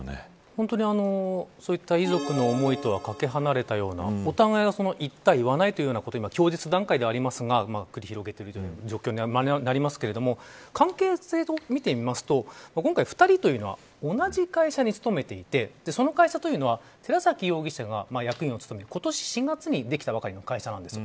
本当に、そういった遺族の思いとはかけ離れたようなお互いが言った言わないということを供述段階ではありますが繰り広げている状況になりますが関係性を見てみますと今回２人というのは同じ会社に勤めていてその会社というのは寺崎容疑者が役員を務める今年４月にできたばかりの会社なんです。